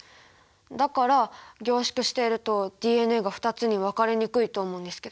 だから凝縮しているとＤＮＡが２つに分かれにくいと思うんですけど。